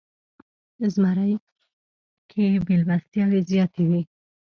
زمری کې میلمستیاوې زیاتې وي.